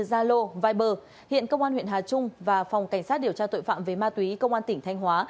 zalo viber hiện công an huyện hà trung và phòng cảnh sát điều tra tội phạm về ma túy công an tỉnh thanh hóa